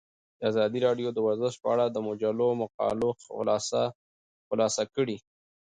ازادي راډیو د ورزش په اړه د مجلو مقالو خلاصه کړې.